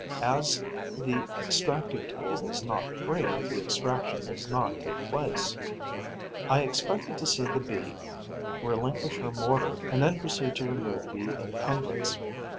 As the extracting tool is not free, the extraction does not take place. I expected to see the Bee relinquish her mortar and then proceed to remove the encumbrance.